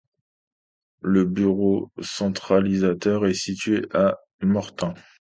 Le bureau centralisateur est situé à Mortain.